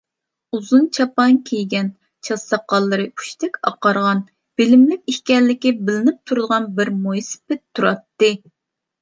ئۇزۇن چاپان كىيگەن، چاچ-ساقاللىرى ئۇچتەك ئاقارغان، بىلىملىك ئىكەنلىكى بىلىنىپ تۇرىدىغان بىر مويسىپىت تۇراتتى.